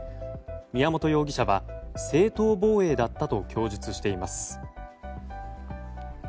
宮本容疑者は正当防衛だったと供述しています。